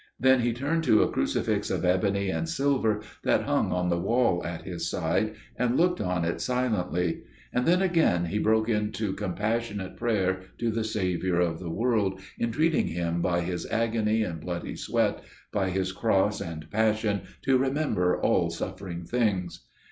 Then he turned to a crucifix of ebony and silver that hung on the wall at his side, and looked on it silently. And then again he broke into compassionate prayer to the Saviour of the world, entreating Him by His Agony and Bloody Sweat, by His Cross and Passion, to remember all suffering things.